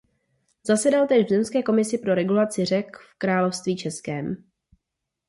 Zasedal též v Zemské komisi pro regulaci řek v Království českém.